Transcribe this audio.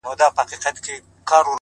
• چي یاران ورباندي تللي له ضروره ,